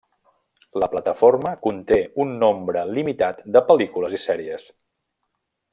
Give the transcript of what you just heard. La plataforma conté un nombre limitat de pel·lícules i sèries.